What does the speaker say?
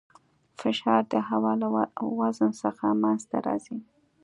فشار د هوا له وزن څخه منځته راځي.